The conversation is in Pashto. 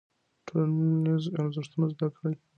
ټولنيز ارزښتونه زده کيږي.